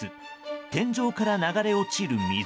天井から流れ落ちる水。